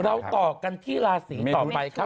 เราต่อกันที่ราศีต่อไปครับ